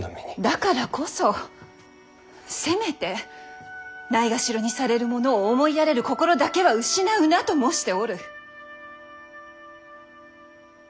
だからこそせめてないがしろにされる者を思いやれる心だけは失うなと申しておる。